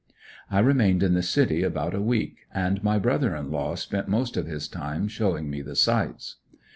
I remained in the city about a week and my brother in law spent most of his time showing me the sights.